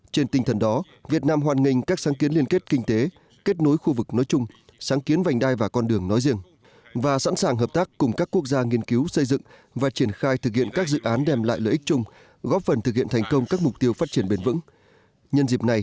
trên tinh thần đó việt nam hoàn nghênh các sáng kiến liên kết kinh tế kết nối khu vực nói chung sáng kiến vành đai và con đường nói riêng và sẵn sàng hợp tác cùng các quốc gia nghiên cứu xây dựng và triển khai thực hiện các dự án đem lại lợi ích chung góp phần thực hiện thành công các mục tiêu phát triển bền vững